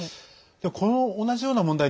この同じような問題